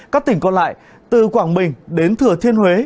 các tỉnh còn lại từ quảng bình đến thừa thiên huế